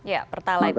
ya pertalaid ya